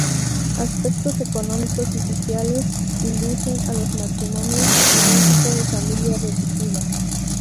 Aspectos económicos y sociales inducen a los matrimonios hacia un tipo de familia reducida.